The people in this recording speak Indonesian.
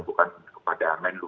bukan kepada menlo